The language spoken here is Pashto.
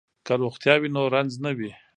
که روغتیا وي نو رنځ نه وي.